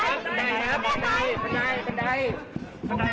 กลับเลยครับ